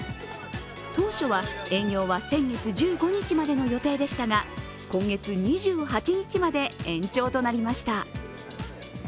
当初は営業は先月１５日までの予定でしたが、今月２８日まで延長となりました。